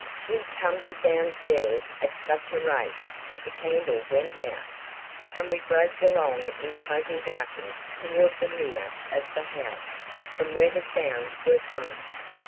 We tumbled down stairs at such a rate that the candle went out, and we groped along in total darkness toward the rear of the house from where the sounds were coming.